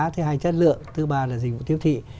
thứ hai là chất lượng thứ ba là dịch vụ tiêu thị